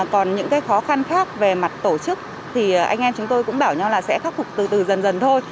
còn những cái khó khăn khác về mặt tổ chức thì anh em chúng tôi cũng bảo nhau là sẽ khắc phục từ từ dần dần thôi